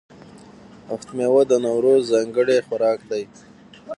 هفت میوه د نوروز ځانګړی خوراک دی.